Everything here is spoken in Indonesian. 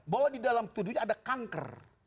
bahwa di dalam tuduhnya ada kanker